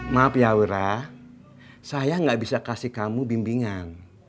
maaf ya wira saya nggak bisa kasih kamu bimbingan